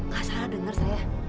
gak salah denger saya